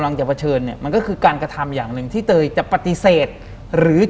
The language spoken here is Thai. หลังจากนั้นเราไม่ได้คุยกันนะคะเดินเข้าบ้านอืม